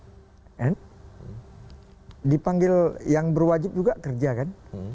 kemudian dipanggil yang berwajib juga kerja kan